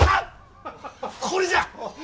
これじゃ！